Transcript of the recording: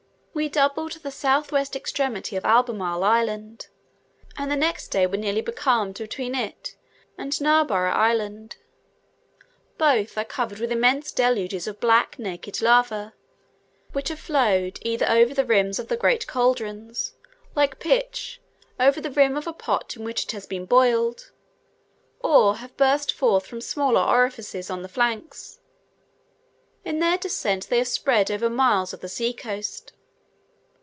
We doubled the south west extremity of Albemarle Island, and the next day were nearly becalmed between it and Narborough Island. Both are covered with immense deluges of black naked lava, which have flowed either over the rims of the great caldrons, like pitch over the rim of a pot in which it has been boiled, or have burst forth from smaller orifices on the flanks; in their descent they have spread over miles of the sea coast.